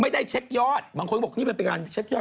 มีอีกภาพหนึ่งนี่เป็นอันนี้